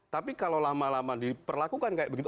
tapi kalau lama lama diperlakukan kayak begitu